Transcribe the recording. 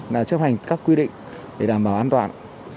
là chấp hành các quy định để đảm bảo an toàn